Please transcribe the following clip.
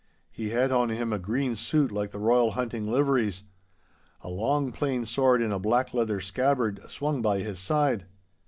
He had on him a green suit like the Royal hunting liveries. A long, plain sword in a black leather scabbard swung by his side.